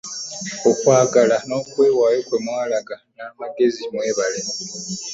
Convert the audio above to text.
Okwagala n'okwewaayo kwe mwalaga n'amagezi mwebale.